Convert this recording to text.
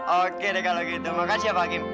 oke deh kalau gitu makasih ya pak kim